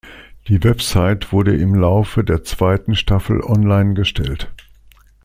Die Website wurde im Laufe der zweiten Staffel online gestellt.